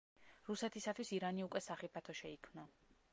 რუსეთისათვის ირანი უკვე სახიფათო შეიქმნა.